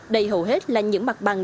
đây hầu hết là những mặt bằng